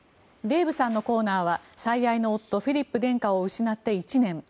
デーブさんのコーナーは最愛の夫フィリップ殿下を失って１年。